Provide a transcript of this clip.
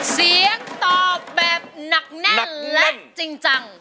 เสียงตอบแบบหนักแน่นและจริงจัง